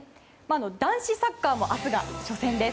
男子サッカーも明日が初戦です。